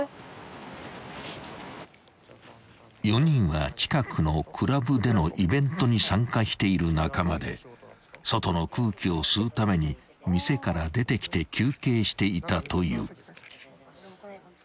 ［４人は近くのクラブでのイベントに参加している仲間で外の空気を吸うために店から出てきて休憩していたという］